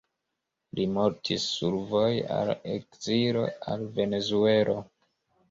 Li mortis survoje al ekzilo al Venezuelo.